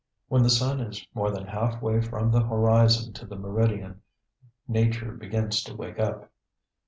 When the sun is more than half way from the horizon to the meridian, Nature begins to wake up.